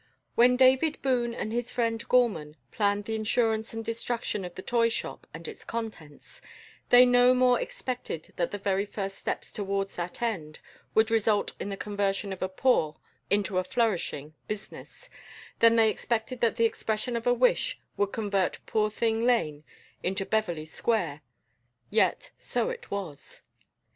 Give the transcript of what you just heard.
When David Boone and his friend Gorman planned the insurance and destruction of the toy shop and its contents, they no more expected that the very first steps towards that end would result in the conversion of a poor into a flourishing business, than they expected that the expression of a wish would convert Poorthing Lane into Beverly Square; yet so it was.